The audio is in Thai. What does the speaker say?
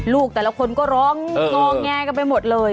ลูกแต่ละคนก็ร้องงอแงกันไปหมดเลย